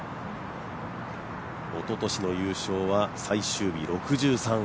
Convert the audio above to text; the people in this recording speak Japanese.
おととしの優勝は最終日６３。